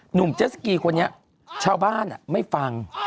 เจสสกีคนนี้ชาวบ้านไม่ฟัง